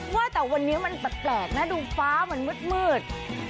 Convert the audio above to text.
ว่าแต่วันนี้มันแปลกนะดูฟ้ามันมืด